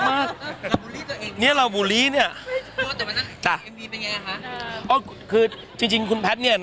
บุรีตัวเองเนี่ยเราบุรีเนี่ยแต่วันนั้นเอ็มวีเป็นยังไงฮะอ่อคือจริงคุณแพทย์เนี่ย